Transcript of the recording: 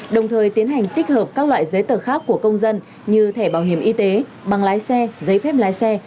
đồng thời tiến hành tích hợp các loại giấy tờ khác của công dân như thẻ bảo hiểm y tế bằng lái xe giấy phép lái xe